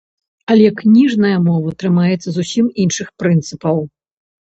Але кніжная мова трымаецца зусім іншых прынцыпаў.